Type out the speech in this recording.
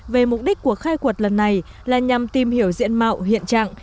về mục đích của khai quật lần này là nhằm tìm hiểu diện mạo hiện trạng